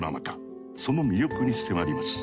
その魅力に迫ります。